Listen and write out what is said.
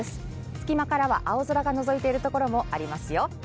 隙間からは青空がのぞいているところもありますよ。